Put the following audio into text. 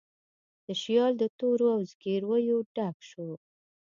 تشیال د تورو او زګیرویو ډک شو